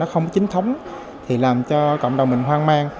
không chính thống thì làm cho cộng đồng mình hoang mang